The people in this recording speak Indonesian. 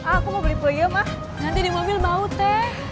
aku mau beli puyuh mah nanti di mobil bau teh